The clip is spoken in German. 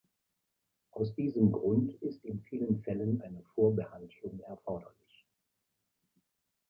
Aus diesem Grund ist in vielen Fällen eine Vorbehandlung erforderlich.